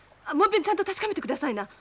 もう一遍ちゃんと確かめてくださいな。